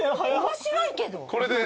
面白いけど。